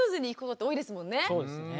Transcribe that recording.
そうですね。